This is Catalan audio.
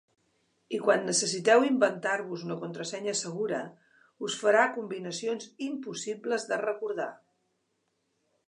I quan necessiteu inventar-vos una contrasenya segura, us farà combinacions impossibles de recordar.